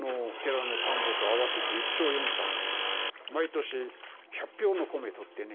毎年１００俵の米とってね